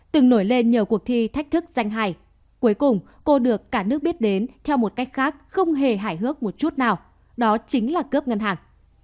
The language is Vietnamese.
từng nổi lên nhờ cuộc thi thách thức danh hài cuối cùng cô được cả nước biết đến theo một cách khác không hề hài hước một chút nào đó chính là cướp ngân hàng